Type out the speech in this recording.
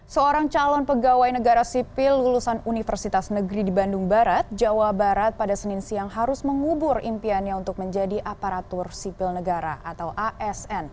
seorang calon pegawai negara sipil lulusan universitas negeri di bandung barat jawa barat pada senin siang harus mengubur impiannya untuk menjadi aparatur sipil negara atau asn